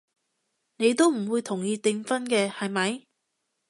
你都唔會同意訂婚㗎，係咪？